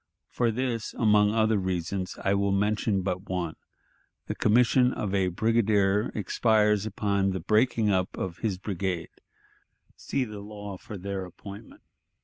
For this, among other reasons, I will mention but one: the commission of a brigadier expires upon the breaking up of his brigade (see the law for their appointment).